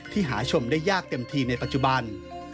หาชมได้ยากเต็มทีในปัจจุบัน